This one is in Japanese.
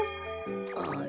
あれ？